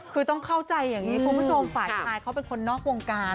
คือต้องเข้าใจอย่างนี้คุณผู้ชมฝ่ายชายเขาเป็นคนนอกวงการ